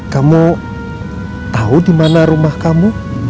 kamu tau dimana rumah kamu